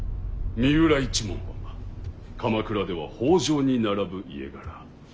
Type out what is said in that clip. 三浦一門は鎌倉では北条に並ぶ家柄。